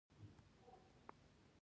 هغوی وتښتېدل او دا ځای تش شو